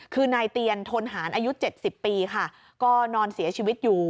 คือนายเตียนทนหารอายุ๗๐ปีค่ะก็นอนเสียชีวิตอยู่